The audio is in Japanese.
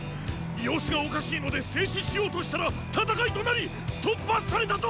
様子がおかしいので制止しようとしたら戦いとなり突破されたと！